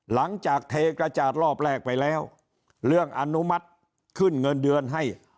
หลังจากเทกระจาดรอบแรกไปแล้วเรื่องอนุมัติขึ้นเงินเดือนให้